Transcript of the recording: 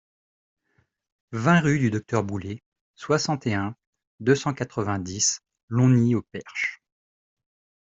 vingt rue du Docteur Boulay, soixante et un, deux cent quatre-vingt-dix, Longny-au-Perche